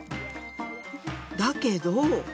だけど。